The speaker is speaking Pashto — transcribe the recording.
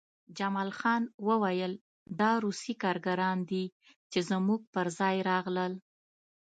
جمال خان وویل دا روسي کارګران دي چې زموږ پرځای راغلل